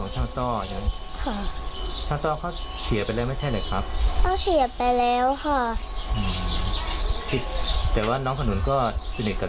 ช่างต้อสนิทกับช่างต้อใช่ไหม